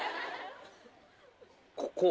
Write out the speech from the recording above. ここ。